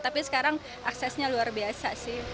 tapi sekarang aksesnya luar biasa sih